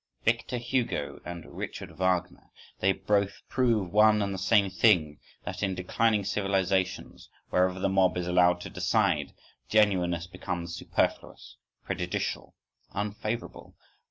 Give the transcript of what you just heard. —Victor Hugo and Richard Wagner—they both prove one and the same thing: that in declining civilisations, wherever the mob is allowed to decide, genuineness becomes superfluous, prejudicial, unfavourable.